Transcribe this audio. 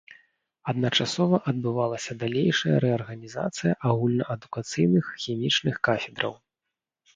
Адначасова адбывалася далейшая рэарганізацыя агульнаадукацыйных хімічных кафедраў.